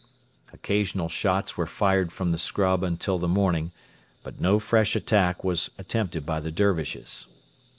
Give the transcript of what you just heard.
Occasional shots were fired from the scrub until the morning, but no fresh attack was attempted by the Dervishes.